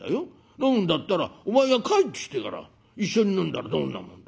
飲むんだったらお前が帰ってきてから一緒に飲んだらどんなもんだ。